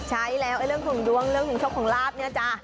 ใช่แล้วเรื่องของดวงเรื่องของโชคของลาบเนี่ยจ๊ะ